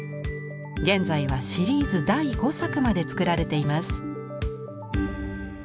現在はシリーズ第５作まで作られています。